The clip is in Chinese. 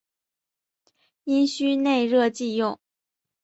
阴虚内热忌用。